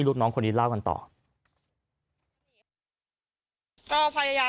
สุดท้ายตัดสินใจเดินทางไปร้องทุกข์การถูกกระทำชำระวจริงและตอนนี้ก็มีภาวะซึมเศร้าด้วยนะครับ